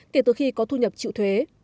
kể từ khi có thu nhập chịu thuế